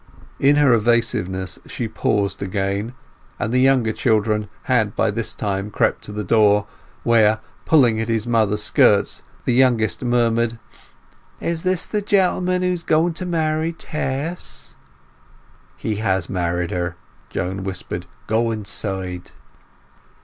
In her evasiveness she paused again, and the younger children had by this time crept to the door, where, pulling at his mother's skirts, the youngest murmured— "Is this the gentleman who is going to marry Tess?" "He has married her," Joan whispered. "Go inside."